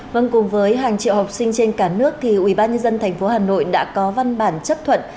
vâng cùng với hàng triệu học sinh trên cả nước thì ubnd tp hà nội đã có văn bản chấp thuận